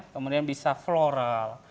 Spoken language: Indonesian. kemudian bisa floral